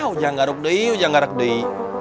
ujang garuk deh iu ujang garuk deh iu